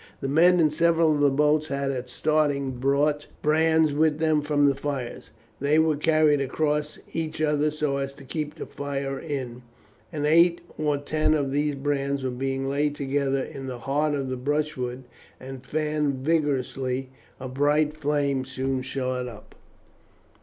The men in several of the boats had at starting brought brands with them from the fires. These were carried across each other so as to keep the fire in, and eight or ten of these brands being laid together in the heart of the brushwood and fanned vigorously a bright flame soon shot up.